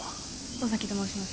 尾崎と申します